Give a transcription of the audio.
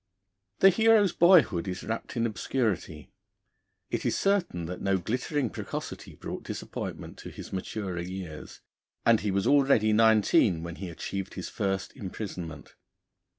The hero's boyhood is wrapped in obscurity. It is certain that no glittering precocity brought disappointment to his maturer years, and he was already nineteen when he achieved his first imprisonment.